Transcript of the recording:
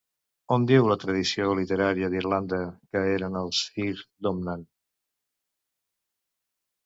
On diu la tradició literària d'Irlanda que eren els Fir Domnann?